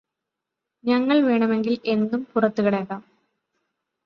ഞങ്ങൾ വേണെമെങ്കിൽ എന്നും പുറത്ത് കിടക്കാം